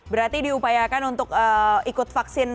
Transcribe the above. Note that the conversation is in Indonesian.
berarti diupayakan untuk ikut vaksin